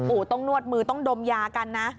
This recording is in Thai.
โอ้โหต้องนวดมือต้องดมยากันนะ